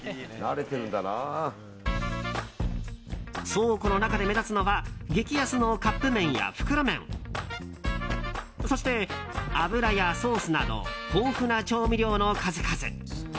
倉庫の中で目立つのは激安のカップ麺や袋麺そして油やソースなど豊富な調味料の数々。